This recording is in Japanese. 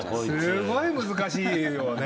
すごい難しいよね。